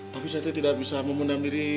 tapi sete tidak bisa memendam diri